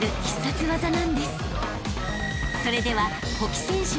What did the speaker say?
［それでは］